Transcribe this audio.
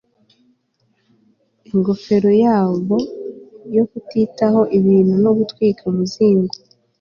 Ingofero yabo yo kutitaho ibintu no gutwika umuzingo